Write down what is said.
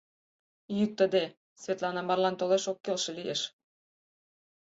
Йӱктыде, Светлана марлан толаш ок келше лиеш.